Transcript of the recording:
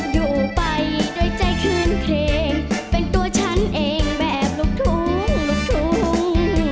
อยู่ไปด้วยใจคืนเคลงเป็นตัวฉันเองแบบลูกทุ่งลูกทุ่ง